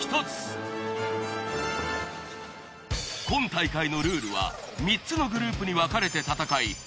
今大会のルールは３つのグループに分かれて戦い